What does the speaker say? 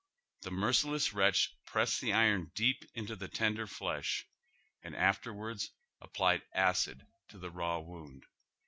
The merciless wretch pi'essed the iron deep into the tender flesh, and afterward applied acid to the raw wound.